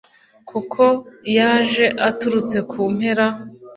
kuko yaje aturutse ku mpera